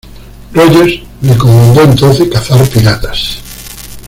Rogers le encomendó entonces cazar piratas.